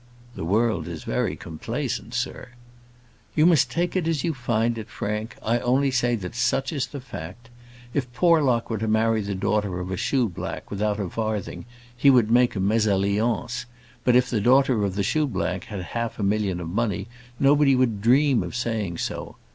"The world is very complaisant, sir." "You must take it as you find it, Frank. I only say that such is the fact. If Porlock were to marry the daughter of a shoeblack, without a farthing, he would make a mésalliance; but if the daughter of the shoeblack had half a million of money, nobody would dream of saying so.